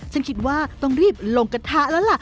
ฉันคิดว่าต้องรีบลงกระทะแล้วล่ะ